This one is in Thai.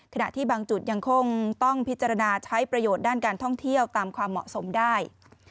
ขณะที่บางจุดยังคงต้องพิจารณาใช้ประโยชน์ด้านการท่องเที่ยวตามความเหมาะสมได้